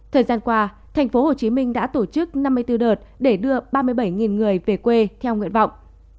thời gian qua thành phố hồ chí minh đã tổ chức năm mươi bốn đợt để đưa ba mươi bảy người về quê theo nguyện vọng